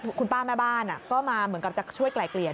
ด้วยความเคารพนะคุณผู้ชมในโลกโซเชียล